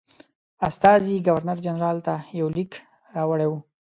استازي ګورنرجنرال ته یو لیک راوړی وو.